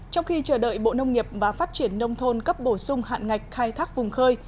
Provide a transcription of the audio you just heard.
trong khi chờ đợi bộ nông nghiệp và phát triển nông thôn cấp bổ sung hạn ngạch khai thác vùng khơi